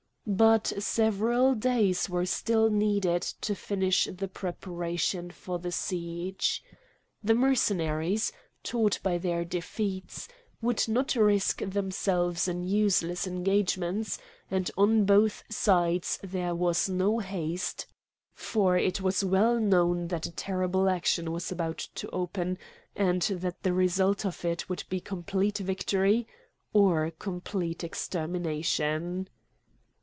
But several days were still needed to finish the preparations for the siege. The Mercenaries, taught by their defeats, would not risk themselves in useless engagements; and on both sides there was no haste, for it was well known that a terrible action was about to open, and that the result of it would be complete victory or complete extermination.